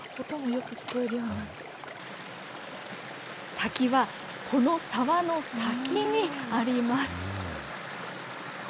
滝は、この沢の先にあります。